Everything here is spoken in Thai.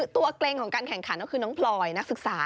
เกรงของการแข่งขันก็คือน้องพลอยนักศึกษา